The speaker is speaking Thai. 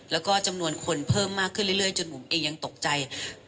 แล้วก็จำนวนคนเพิ่มมากขึ้นจนผมเองยังตกใจ